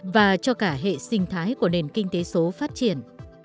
và cho cả hệ sinh thái của nền kinh tế số phát triển